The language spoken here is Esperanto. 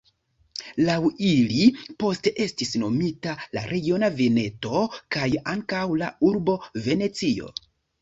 Laŭ ili poste estis nomita la regiono Veneto, kaj ankaŭ la urbo Venecio.